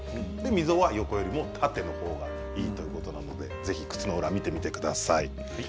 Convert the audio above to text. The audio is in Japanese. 溝は横よりも縦のほうがいいということなのでぜひ底を見てください。